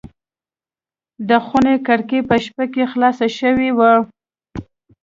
د خونې کړکۍ په شپه کې خلاصه شوې وه.